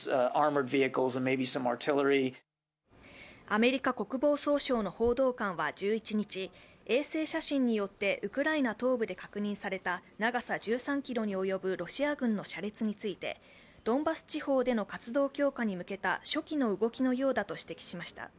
アメリカ国防総省の報道官は１１日、衛星写真によってウクライナ東部で確認された長さ１３ｋｍに及ぶロシア軍の車列についてドンバス地方での活動強化に向けた初期の動きのようだと指摘しました。